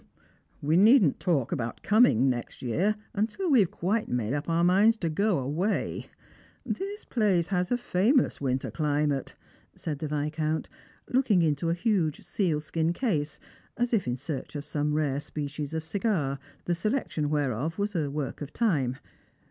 " We needn't talk about coming next year until we have quite made up our minds to go away. This place has a famous winter climate," said the Viscount, looking into a huge sealskia case, as if in search of some rare species of cigar, the selection whereof was a work of time.